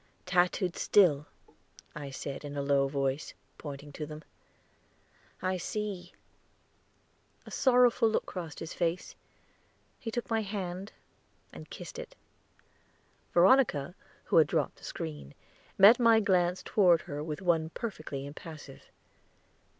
"Tattooed still," I said in a low voice, pointing to them. "I see" a sorrowful look crossed his face; he took my hand and kissed it. Veronica, who had dropped the screen, met my glance toward her with one perfectly impassive.